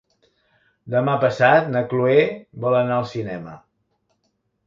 Demà passat na Chloé vol anar al cinema.